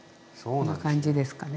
こんな感じですかね。